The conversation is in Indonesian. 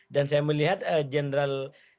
dan saya melihat jenderal